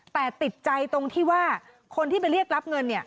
แต่ติดใจตรงที่ว่าคนที่ไปเรียกรับเงิน